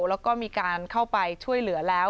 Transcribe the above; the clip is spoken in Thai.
แล้วก็มีการเข้าไปช่วยเหลือแล้ว